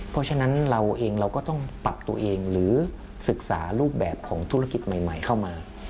เพราะฉะนั้นเราเองเราก็ต้องปรับตัวเองหรือศึกษารูปแบบของธุรกิจใหม่เข้ามา